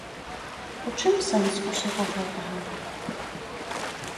У чым сэнс усяго гэтага?